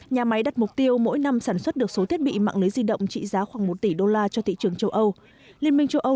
nhà máy đặt mục tiêu mỗi năm sản xuất được số thiết bị mạng lấy di động trị giá khoảng một tỷ đô la cho thị trường châu âu